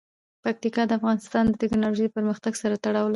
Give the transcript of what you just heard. پکتیا د افغانستان د تکنالوژۍ پرمختګ سره تړاو لري.